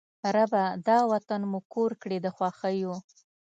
ربه! دا وطن مو کور کړې د خوښیو